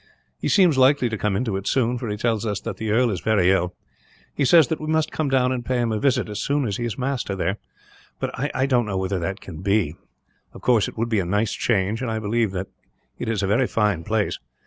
He seems likely to come into it soon, for he tells us that the earl is very ill. He says that we must come down and pay him a visit, as soon as he is master there; but I don't know whether that can be. Of course it would be a nice change, and I believe that it is a very fine place.